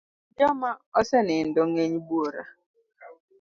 Kwan joma osenindo ng'eny buora.